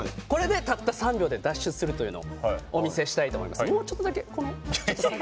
これで、たった３秒で脱出するというのをお見せしたいと思います。